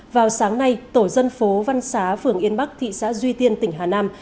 vào sáng nay tổ dân phố văn xá phường yên bắc thị xã duy tiên tỉnh hà nam